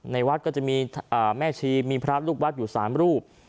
ในวัดก็จะมีแม่ชีมีพระลูกวัดอยู่๓รูป